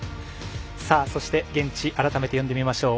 そして、現地改めて呼んでみましょう。